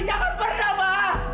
jangan pernah ma